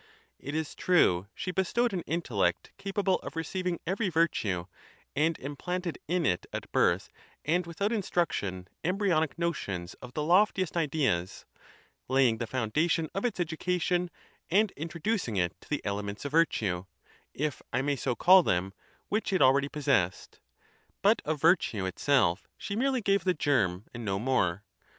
It is true she bestowed an intellect capable of receiving every virtue, and im planted in it at birth and without instruction embryonic notions of the loftiest ideas, laying the foundation of its education, and introducing it to the elements of virtue, if I may so call them, which it already possessed. But of virtue itself she merely iO gave the germ and no more.